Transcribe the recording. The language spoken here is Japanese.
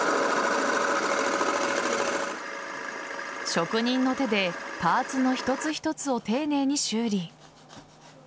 職人の手でパーツの一つ一つを丁寧に修理。